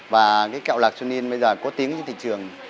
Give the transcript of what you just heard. và cái kẹo lạc sonin bây giờ có tiếng trên thị trường